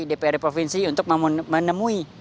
dprd provinsi untuk menemui